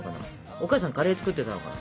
お母さんカレー作ってたのかな？